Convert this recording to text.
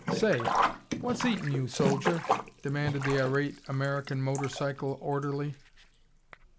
"Say, what's eatin' you, soldier?" demanded the irate American motor cycle orderly.